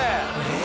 え？